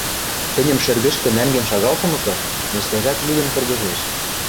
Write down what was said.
— Тӹньӹм шӹргӹшкӹ нӓнген шагалтымыкы, мӧскӓжӓт лӱдӹн кыргыжеш.